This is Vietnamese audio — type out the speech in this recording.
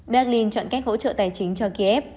berlin chọn cách hỗ trợ tài chính cho kiev